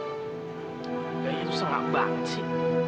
kayaknya tuh susah banget banget sih